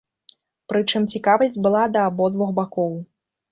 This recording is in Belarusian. Прычым, цікавасць была да абодвух бакоў.